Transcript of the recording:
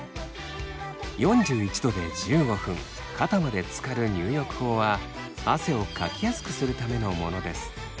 ４１℃で１５分肩までつかる入浴法は汗をかきやすくするためのものです。